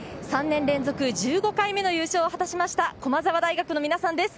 ３年連続１５回目の優勝を果たしました駒澤大学の皆さんです。